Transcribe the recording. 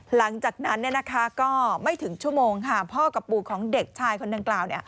หลังจากนั้นก็ไม่ถึงชั่วโมงพ่อกับปู่ของเด็กชายคนดังกล่าว